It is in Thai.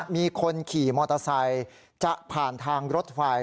มีคนขี่มอเตอร์ไซค์จะผ่านทางรถไฟ